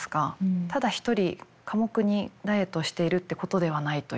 ただ一人寡黙にダイエットをしているということではないという。